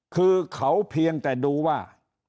คือเขาเพียงแต่ดูว่า